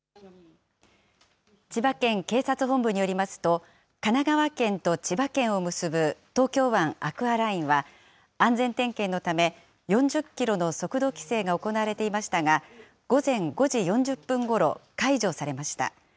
千葉県警察本部によりますと、神奈川県と千葉県を結ぶ東京湾アクアラインは、安全点検のため、４０キロの速度規制が行われていましたが、午前５時４０分ごろ、解除されました。